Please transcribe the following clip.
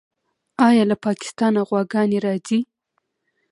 آیا له پاکستانه غواګانې راځي؟